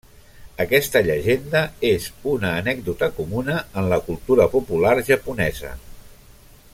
Aquesta llegenda és una anècdota comuna en la cultura popular japonesa.